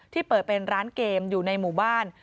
เปิดเป็นร้านเกมอยู่ในหมู่บ้าน